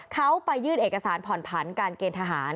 เขาไปยื่นเอกสารผ่อนผันการเกณฑ์ทหาร